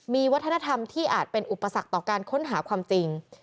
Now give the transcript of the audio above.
มีวัฒนธรรมที่อาจเป็นอุปสรรคต่อการค้นหาความจริง